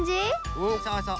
うんそうそう。